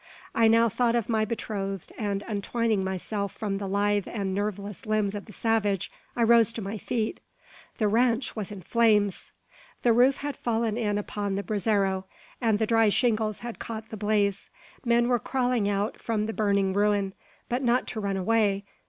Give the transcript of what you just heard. I now thought of my betrothed, and, untwining myself from the lithe and nerveless limbs of the savage, I rose to my feet. The ranche was in flames! The roof had fallen in upon the brazero, and the dry shingles had caught the blaze. Men were crawling out from the burning ruin, but not to run away.